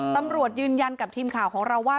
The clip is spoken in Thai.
ตำรวจยืนยันกับทีมข่าวของเราว่า